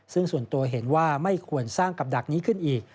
ซึ่งส่วนตัวเห็นว่าไม่ควรสร้างกับดักนี้ขึ้นอีก